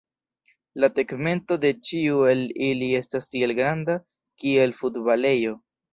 La tegmento de ĉiu el ili estas tiel granda kiel futbalejo.